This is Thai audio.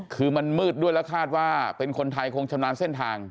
คือมันมืดด้วยแล้วคาดว่าเป็นคนไทยคงชำนาญเส้นทาง